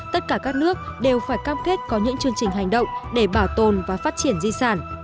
tất cả các nước đều phải cam kết có những chương trình hành động để bảo tồn và phát triển di sản